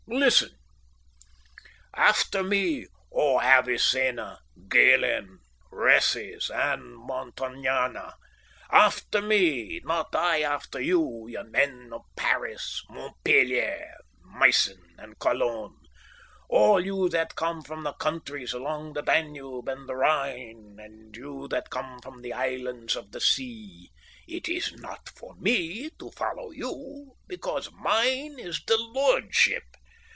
Listen: "After me, O Avicenna, Galen, Rhases and Montagnana! After me, not I after you, ye men of Paris, Montpellier, Meissen, and Cologne; all you that come from the countries along the Danube and the Rhine, and you that come from the islands of the sea. It is not for me to follow you, because mine is the lordship.